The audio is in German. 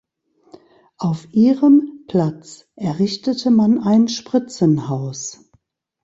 Auf ihrem Platz errichtete man ein Spritzenhaus.